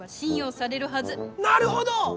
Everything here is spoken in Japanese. なるほど！